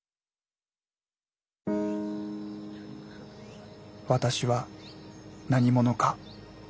私は何者か。